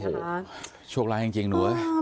โอ้โหโชคล้ายจริงหนู